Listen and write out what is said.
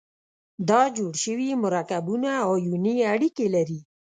دا جوړ شوي مرکبونه آیوني اړیکې لري.